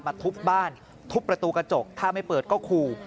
ทุบบ้านทุบประตูกระจกถ้าไม่เปิดก็ขู่